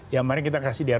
ya mari kita kasih dr